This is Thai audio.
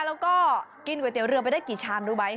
แล้วก็กินก๋วยเตี๋ยเรือไปได้กี่ชามรู้ไหม